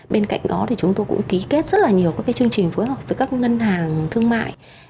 bên cạnh đó thì chúng tôi cũng ký kết rất là nhiều các chương trình phối hợp với các ngân hàng thương mại